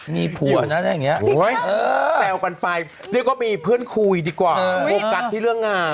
มีผัวนะถ้าอย่างนี้แซวกันไปเรียกว่ามีเพื่อนคุยดีกว่าโฟกัสที่เรื่องงาน